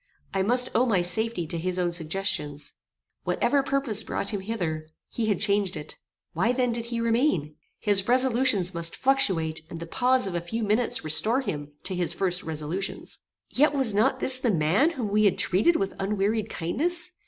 I must owe my safety to his own suggestions. Whatever purpose brought him hither, he had changed it. Why then did he remain? His resolutions might fluctuate, and the pause of a few minutes restore to him his first resolutions. Yet was not this the man whom we had treated with unwearied kindness?